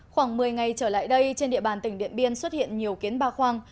khoảng một mươi ngày trở lại đây trên địa bàn tỉnh điện biên xuất hiện nhiều kiến ba khoang